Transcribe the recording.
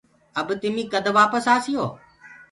اب تمي ڪد وآپس آسيو۔